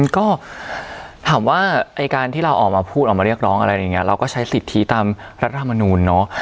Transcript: ก็ถามว่าไอ้การที่เราออกมาพูดออกมาเรียกร้องอะไรอะไรอย่างนี้เราก็ใช้สิทธิตามรัฐธรรมนูลเนอะ